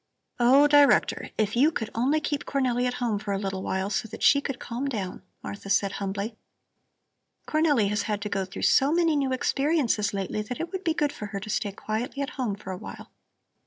"Oh, Director, if you could only keep Cornelli at home for a little while, so that she could calm down," Martha said humbly. "Cornelli has had to go through so many new experiences lately that it would be good for her to stay quietly at home for a while.